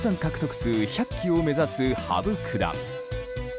数１００期を目指す羽生九段。